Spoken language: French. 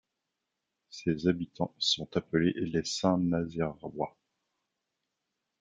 Ses habitants sont appelés les Saint-Nazairois.